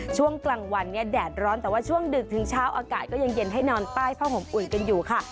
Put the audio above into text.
ช่วงกลางวันเนี่ยแดดร้อนแต่ว่าช่วงดึกถึงเช้าอากาศก็ยังเย็นให้นอนใต้ผ้าห่มอุ่นกันอยู่ค่ะ